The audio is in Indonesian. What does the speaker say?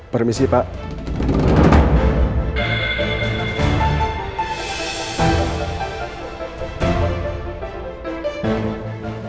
masih masih yakin